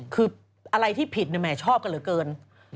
คืออะไรที่ผิดแหมชอบกันเหลือเกิน